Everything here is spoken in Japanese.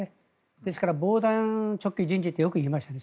ですから、防弾チョッキ人事ってよく言いましたね。